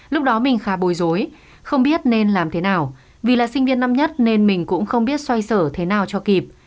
lúc đó mình khá bồi dối không biết nên làm thế nào vì là sinh viên năm nhất nên mình cũng không biết xoay sở thế nào cho kịp